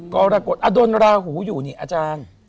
กรกฎอดลราหูอยู่นี่อาจารย์